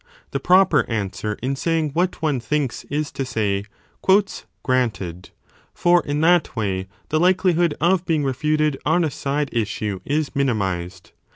The proper answer in saying what one thinks is to say Granted ; for in that way the likelihood of being refuted on a side issue is minimized.